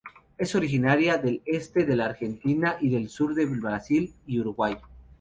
Es originaria del este de la Argentina y del sur del Brasil y Uruguay.